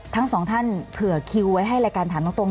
ทั้งสองท่านเผื่อคิวไว้ให้รายการถามตรง